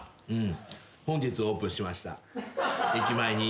本日オープンしました駅前に。